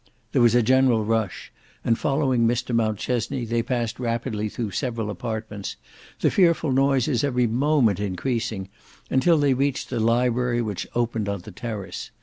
There was a general rush, and following Mr Mountchesney they passed rapidly through several apartments, the fearful noises every moment increasing, until they reached the library which opened on the terrace.